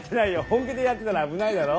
本気でやってたら危ないだろ？